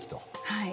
はい。